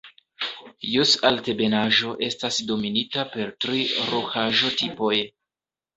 Jos-Altebenaĵo estas dominita per tri rokaĵo-tipoj.